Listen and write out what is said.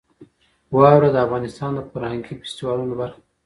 واوره د افغانستان د فرهنګي فستیوالونو برخه ده.